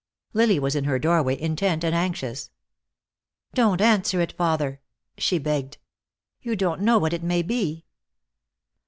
Lily was in her doorway, intent and anxious. "Don't answer it, father," she begged. "You don't know what it may be."